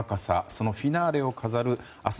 そのフィナーレを飾る明日